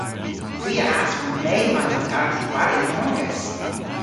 Hwi a aswon le may ma garth-gwari yn-ogas.